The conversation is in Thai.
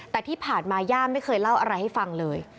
แต่ที่ผ่านมาย่าไม่เคยเล่าอะไรให้ฟังเลย